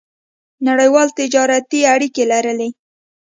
نړیوالې تجارتي اړیکې لرلې.